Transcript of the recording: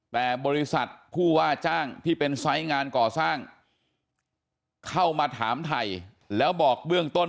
แต่บริษัทผู้ว่าจ้างที่เป็นไซส์งานก่อสร้างเข้ามาถามไทยแล้วบอกเบื้องต้น